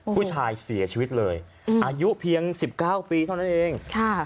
ผู้ชายเสียชีวิตเลยอืมอายุเพียงสิบเก้าปีเท่านั้นเองค่ะ